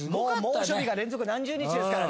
猛暑日が連続何十日ですからね。